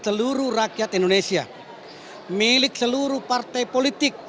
seluruh rakyat indonesia milik seluruh partai politik